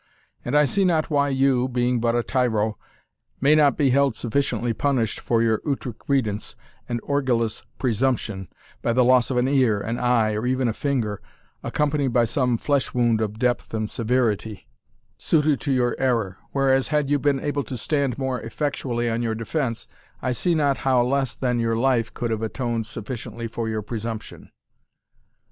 And I see not why you, being but a tyro, may not be held sufficiently punished for your outrecuidance, and orgillous presumption, by the loss of an ear, an eye, or even a finger, accompanied by some flesh wound of depth and severity, suited to your error whereas, had you been able to stand more effectually on your defence, I see not how less than your life could have atoned sufficiently for your presumption."